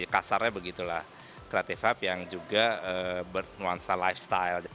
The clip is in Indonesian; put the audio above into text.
kasarnya begitulah creative hub yang juga bernuansa lifestyle